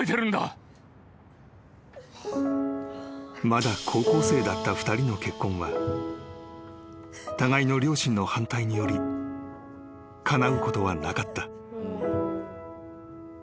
［まだ高校生だった２人の結婚は互いの両親の反対によりかなうことはなかった］